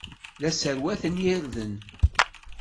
La sserwatent irden.